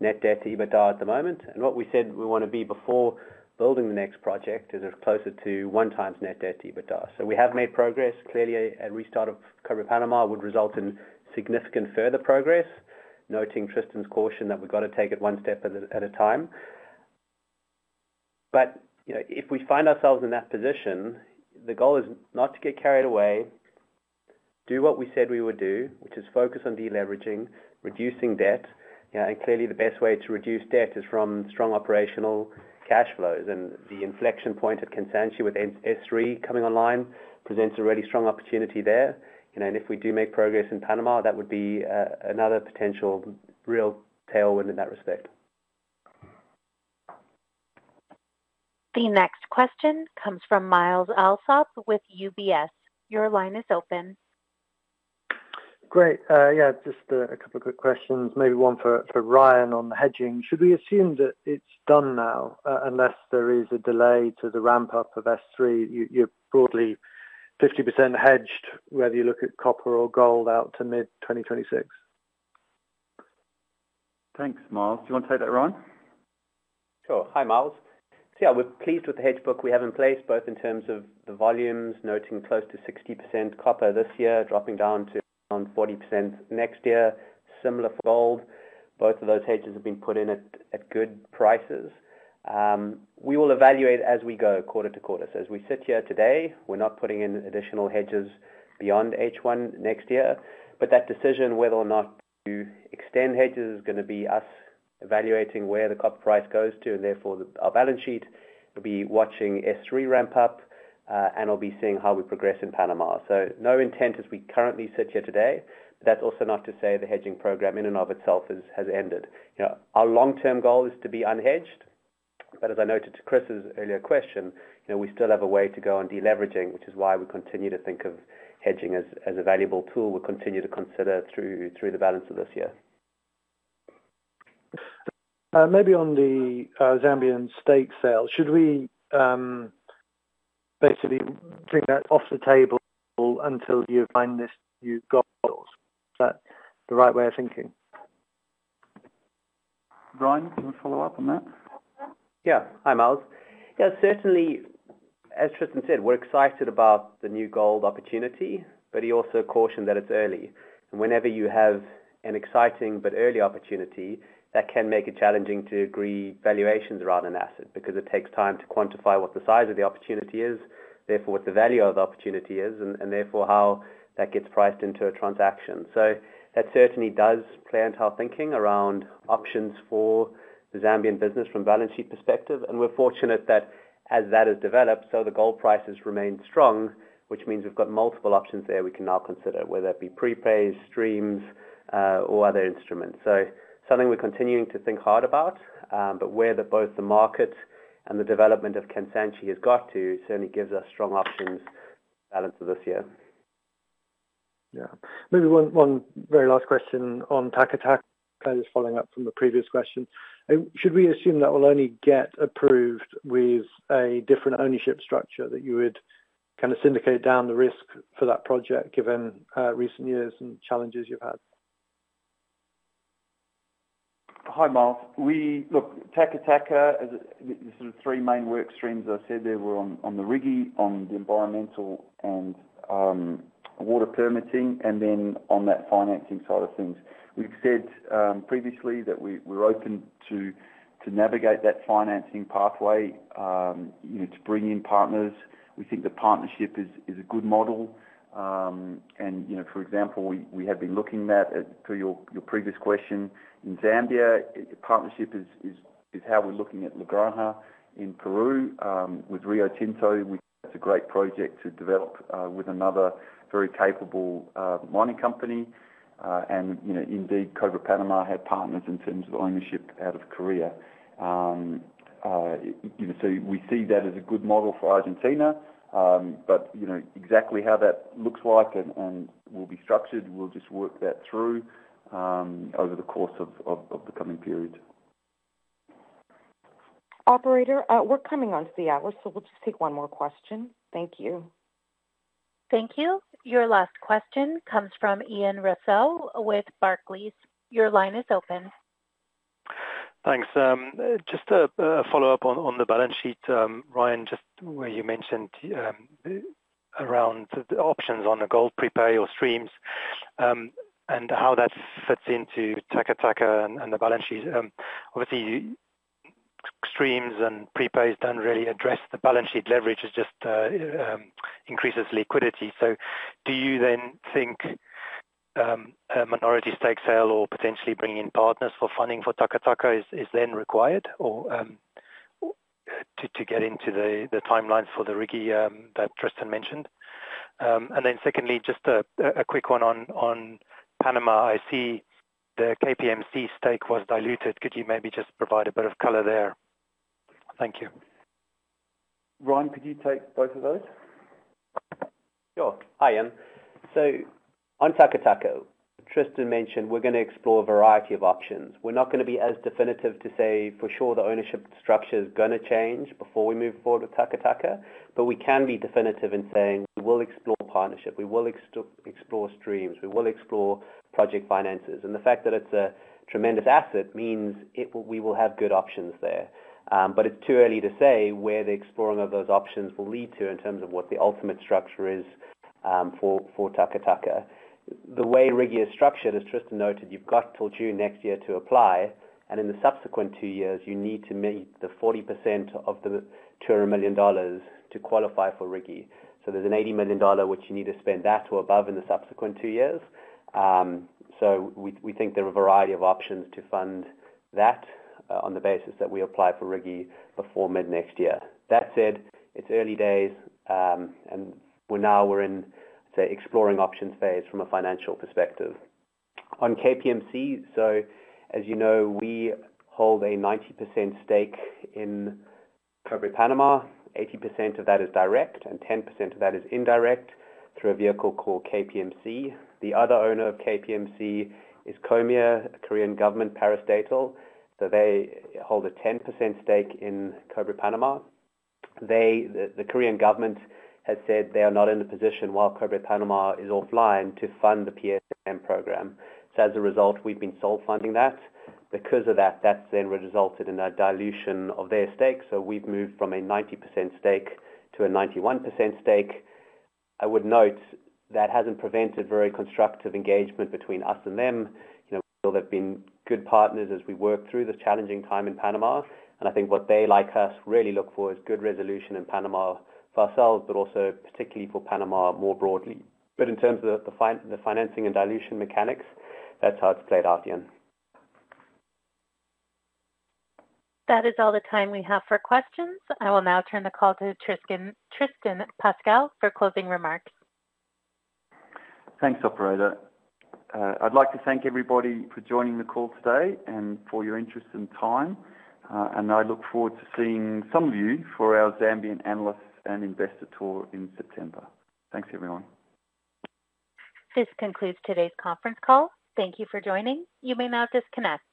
net debt to EBITDA at the moment. What we said we want to be before building the next project is closer to one times net debt to EBITDA. We have made progress. Clearly, a restart of Cobre Panama would result in significant further progress, noting Tristan's caution that we have got to take it one step at a time. If we find ourselves in that position, the goal is not to get carried away. Do what we said we would do, which is focus on deleveraging, reducing debt. Clearly, the best way to reduce debt is from strong operational cash flows. The inflection point at Kansanshi with S3 coming online presents a really strong opportunity there. If we do make progress in Panama, that would be another potential real tailwind in that respect. The next question comes from Myles Allsop with UBS. Your line is open. Great. Yeah, just a couple of quick questions. Maybe one for Ryan on the hedging. Should we assume that it's done now, unless there is a delay to the ramp-up of S3? You're broadly 50% hedged, whether you look at copper or gold out to mid-2026. Thanks, Myles. Do you want to take that, Ryan? Sure. Hi, Myles. So yeah, we're pleased with the hedge book we have in place, both in terms of the volumes, noting close to 60% copper this year, dropping down to around 40% next year. Similar for gold. Both of those hedges have been put in at good prices. We will evaluate as we go, quarter to quarter. As we sit here today, we're not putting in additional hedges beyond H1 next year. That decision whether or not to extend hedges is going to be us evaluating where the copper price goes to. Therefore, our balance sheet will be watching S3 ramp up, and we'll be seeing how we progress in Panama. No intent as we currently sit here today. That's also not to say the hedging program in and of itself has ended. Our long-term goal is to be unhedged. As I noted to Chris's earlier question, we still have a way to go on deleveraging, which is why we continue to think of hedging as a valuable tool. We continue to consider through the balance of this year. Maybe on the Zambian stake sales, should we basically bring that off the table until you find this new gold source? Is that the right way of thinking? Ryan, do you want to follow up on that? Yeah. Hi, Myles. Yeah, certainly, as Tristan said, we're excited about the new gold opportunity, but he also cautioned that it's early. And whenever you have an exciting but early opportunity, that can make it challenging to agree valuations around an asset because it takes time to quantify what the size of the opportunity is, therefore what the value of the opportunity is, and therefore how that gets priced into a transaction. That certainly does plant our thinking around options for the Zambian business from a balance sheet perspective. We're fortunate that as that has developed, the gold prices remain strong, which means we've got multiple options there we can now consider, whether it be prepays, streams, or other instruments. That's something we're continuing to think hard about. Where both the market and the development of Kansanshi has got to certainly gives us strong options for the balance of this year. Yeah. Maybe one very last question on Taca Taca. Just following up from the previous question. Should we assume that will only get approved with a different ownership structure, that you would kind of syndicate down the risk for that project given recent years and challenges you've had? Hi, Myles. Look, Taca Taca, the sort of three main work streams I said they were on the rigging, on the environmental and water permitting, and then on that financing side of things. We've said previously that we're open to navigate that financing pathway to bring in partners. We think the partnership is a good model. For example, we have been looking at, for your previous question, in Zambia, partnership is how we're looking at La Granja in Peru. With Rio Tinto, we think that's a great project to develop with another very capable mining company. Indeed, Cobre Panama had partners in terms of ownership out of Korea. We see that as a good model for Argentina. Exactly how that looks like and will be structured, we'll just work that through over the course of the coming period. Operator, we're coming onto the hour, so we'll just take one more question. Thank you. Thank you. Your last question comes from Ian Rossouw with Barclays. Your line is open. Thanks. Just a follow-up on the balance sheet, Ryan, just where you mentioned. Around the options on the gold prepay or streams and how that fits into Taca Taca and the balance sheet. Obviously. Streams and prepays don't really address the balance sheet leverage, it just. Increases liquidity. So do you then think. A minority stake sale or potentially bringing in partners for funding for Taca Taca is then required. To get into the timeline for the riggy that Tristan mentioned? And then secondly, just a quick one on Panama. I see the KPMC stake was diluted. Could you maybe just provide a bit of color there? Thank you. Ryan, could you take both of those? Sure. Hi, Ian. On Taca Taca, Tristan mentioned we're going to explore a variety of options. We're not going to be as definitive to say for sure the ownership structure is going to change before we move forward with Taca Taca. We can be definitive in saying we will explore partnership. We will explore streams. We will explore project finances. The fact that it's a tremendous asset means we will have good options there. It's too early to say where the exploring of those options will lead to in terms of what the ultimate structure is for Taca Taca. The way RIGI is structured, as Tristan noted, you've got till June next year to apply. In the subsequent two years, you need to meet the 40% of the $200 million to qualify for RIGI. There's an $80 million, which you need to spend that to above in the subsequent two years. We think there are a variety of options to fund that on the basis that we apply for RIGI before mid next year. That said, it's early days. Now we're in, I'd say, exploring options phase from a financial perspective. On KPMC, as you know, we hold a 90% stake in Cobre Panama. 80% of that is direct, and 10% of that is indirect through a vehicle called KPMC. The other owner of KPMC is KOMEA, a Korean government parastatal. They hold a 10% stake in Cobre Panama. The Korean government has said they are not in a position, while Cobre Panama is offline, to fund the P&SM program. As a result, we've been sole funding that. Because of that, that's then resulted in a dilution of their stake. We've moved from a 90% stake to a 91% stake. I would note that hasn't prevented very constructive engagement between us and them. We feel they've been good partners as we work through this challenging time in Panama. I think what they, like us, really look for is good resolution in Panama for ourselves, but also particularly for Panama more broadly. In terms of the financing and dilution mechanics, that's how it's played out, Ian. That is all the time we have for questions. I will now turn the call to Tristan Pascall for closing remarks. Thanks, Operator. I'd like to thank everybody for joining the call today and for your interest and time. I look forward to seeing some of you for our Zambian analysts and investor tour in September. Thanks, everyone. This concludes today's conference call. Thank you for joining. You may now disconnect.